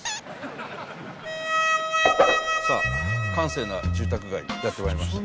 さあ閑静な住宅街にやってまいりました。